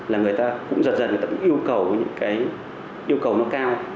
là người ta cũng dần dần người ta cũng yêu cầu những cái yêu cầu nó cao